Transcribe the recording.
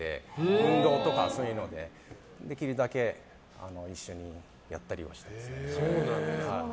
運動とかそういうのでできるだけ一緒にやったりしてますね。